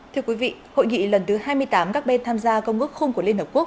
thưa quý vị hội nghị lần thứ hai mươi tám các bên tham gia công ước khung của liên hợp quốc